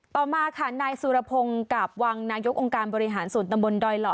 ต่อมาค่ะนายสุรพงศ์กาบวังนายกองค์การบริหารส่วนตำบลดอยหล่อ